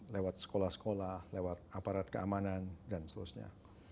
lewat sekolah sekolah lewat aparat keamanan dan seterusnya